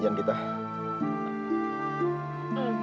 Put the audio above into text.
fawzan kita akan engagements